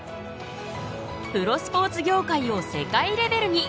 プロスポーツ業界を世界レベルに！